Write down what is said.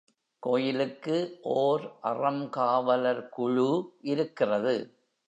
கோயிலுக்கு ஓர் அறம் காவலர் குழு இருக்கிறது.